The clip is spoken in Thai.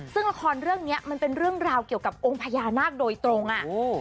ซึ่งละครเรื่องนี้มันเป็นเรื่องราวเกี่ยวกับองค์พญานาคโดยตรงอ่ะ